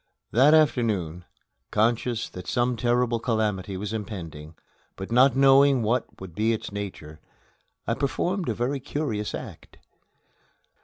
That afternoon, conscious that some terrible calamity was impending, but not knowing what would be its nature, I performed a very curious act.